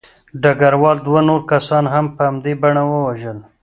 ډګروال دوه نور کسان هم په همدې بڼه ووژل